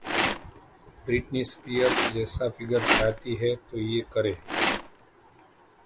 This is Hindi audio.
ब्रिटनी स्पीयर्स जैसा फिगर चाहती हैं तो ये करें...